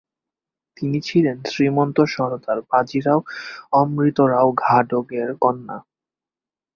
তিনি ছিলেন শ্রীমন্ত সর্দার বাজিরাও অমৃতরাও ঘাটগের কন্যা।